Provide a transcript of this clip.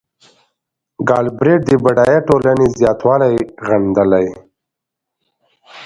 ګالبرېټ د بډایه ټولنې زیاتوالی غندلی.